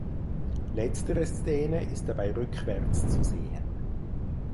Letztere Szene ist dabei rückwärts zu sehen.